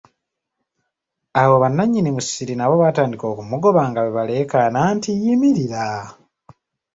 Awo bananyini musiri nabo baatandika okumugoba, nga bwe baleekaana nti, yimirira!